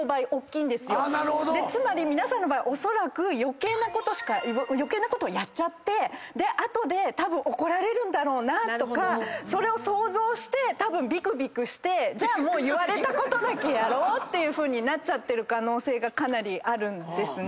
つまり皆さんの場合おそらく余計なことをやっちゃってあとで怒られるんだろうなとかそれを想像してびくびくしてじゃあもう言われたことだけやろうってなっちゃってる可能性がかなりあるんですね。